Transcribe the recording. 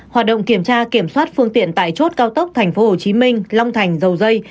hoạt động kiểm tra kiểm soát phương tiện tại chốt cao tốc tp hcm long thành dầu dây